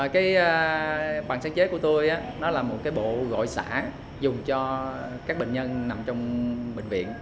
cái bàn sáng chế của tôi là một bộ gội xã dùng cho các bệnh nhân nằm trong bệnh viện